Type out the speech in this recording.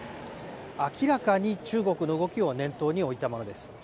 明らかに中国の動きを念頭に置いたものです。